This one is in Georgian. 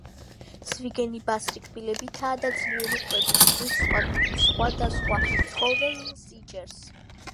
ზვიგენი ბასრი კბილებითაა და ძლიერი ყბებით ზღვის სხვა-დასხვა ცხოველს იჭერს